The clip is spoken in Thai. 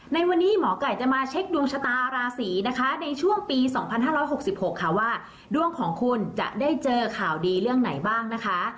ในวันนี้หมอไก่จะมาเช็คดวงชะตาราศีนะคะในช่วงปี๒๕๖๖ค่ะว่าดวงของคุณจะได้เจอข่าวดีเรื่องไหนบ้างนะคะ